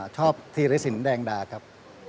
ชอบธีรศิลป์แดงดาครับ